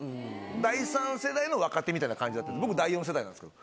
第３世代の若手みたいな感じだったんです、僕、第４世代なんですけど。